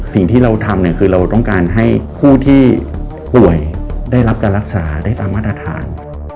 สิ่งที่เราทำเนี่ยคือเราต้องการให้ผู้ที่ป่วยได้รับการรักษาได้ตามมาตรฐาน